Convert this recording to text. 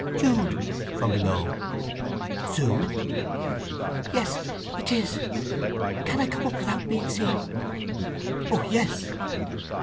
"Jude!" (from below). "Sue!" "Yes—it is! Can I come up without being seen?" "Oh yes!"